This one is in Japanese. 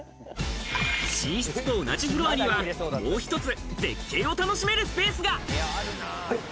寝室と同じフロアにはもう一つ絶景を楽しめるスペースが。